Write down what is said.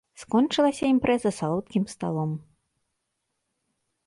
Скончылася імпрэза салодкім сталом.